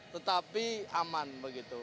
tetapi aman begitu